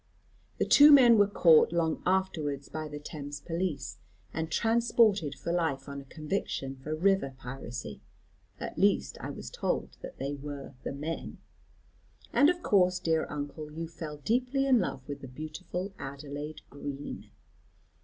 The two men were caught long afterwards by the Thames Police, and transported for life on a conviction for river piracy. At least, I was told that they were the men." "And of course, dear uncle, you fell deeply in love with the beautiful Adelaide Green."